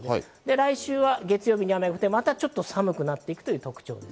来週は月曜日に雨が降って、またちょっと寒くなっていくという特徴です。